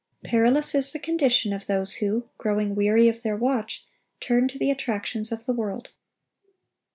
(877) Perilous is the condition of those who, growing weary of their watch, turn to the attractions of the world.